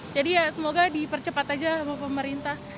jadi ya semoga dipercepat aja sama pemerintah